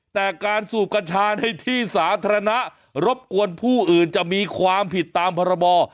แต่การสูบกัญชาในที่สาธารณะรบกวนผู้อื่นจะมีความผิดตามพรบ